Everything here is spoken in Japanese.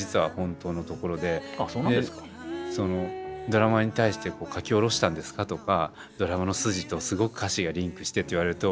「ドラマに対して書き下ろしたんですか？」とか「ドラマの筋とすごく歌詞がリンクしてる」って言われると。